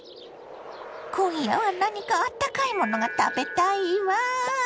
今夜は何かあったかいものが食べたいわ。